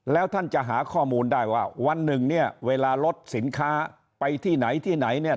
แล้วท่านจะหาข้อมูลได้ว่าวันหนึ่งเนี่ยเวลาลดสินค้าไปที่ไหนที่ไหนเนี่ย